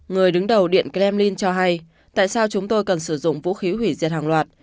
người đứng đầu điện kremlin cho hay tại sao chúng tôi cần sử dụng vũ khí hủy diệt hàng loạt